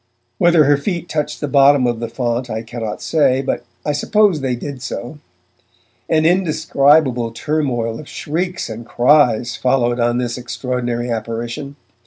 Whether her feet touched the bottom of the font I cannot say, but I suppose they did so. An indescribable turmoil of shrieks and cries followed on this extraordinary apparition.